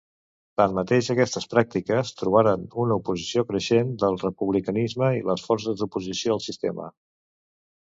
Tanmateix aquestes pràctiques trobaren una oposició creixent del republicanisme i les forces d'oposició al sistema.